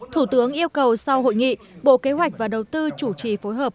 thủ tướng yêu cầu sau hội nghị bộ kế hoạch và đầu tư chủ trì phối hợp